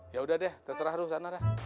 yaudah deh terserah lu sana deh